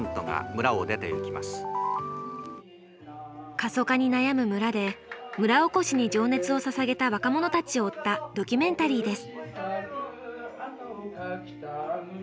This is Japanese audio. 過疎化に悩む村で村おこしに情熱をささげた若者たちを追ったドキュメンタリーです。